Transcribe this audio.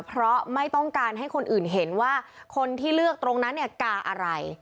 เพราะไม่ต้องการให้คนอื่นเห็นว่าคนที่เลือกตรงนั้นเนี่ยกาอะไร